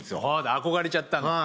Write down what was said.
憧れちゃったんだ